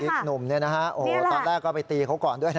อีกหนุ่มเนี่ยนะฮะโอ้โหตอนแรกก็ไปตีเขาก่อนด้วยนะ